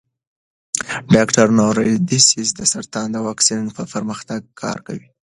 ډاکټر نورا ډسیس د سرطان د واکسین پر پرمختګ کار کوي.